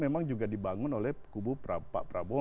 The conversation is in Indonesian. memang juga dibangun oleh kubu pak prabowo